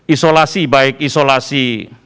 isolasi baik isolasi